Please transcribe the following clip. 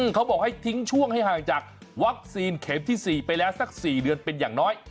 เขาบอกให้ทิ้งช่วงให้ห่างจากวัคซีนเข็มที่๔ไปแล้วสัก๔เดือนเป็นอย่างน้อย